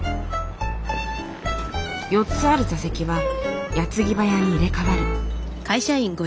４つある座席は矢継ぎ早に入れ代わる。